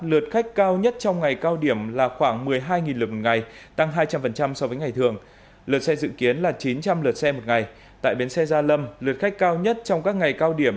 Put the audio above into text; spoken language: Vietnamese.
lượt khách cao nhất trong ngày cao điểm